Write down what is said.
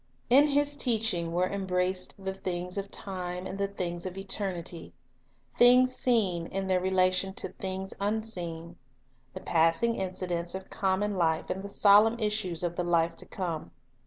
In His teaching were embraced the things of time Life's True anc [ t ne things of eternity, — things seen, in their relation Valuation .... to things unseen, the passing incidents of common life and the solemn issues of the life to come.